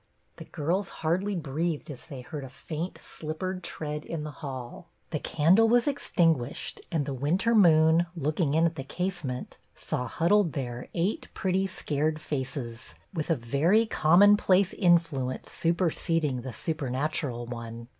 The girls hardly breathed as they heard a faint, slippered tread in the hall. The candle was extinguished, and the winter moon, looking in at the casement, saw hud dled there eight pretty, scared faces, with a very commonplace influence superseding the supernatural one.